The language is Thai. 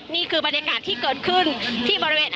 นี่คือบรรยากาศที่เกิดขึ้นที่บริเวณ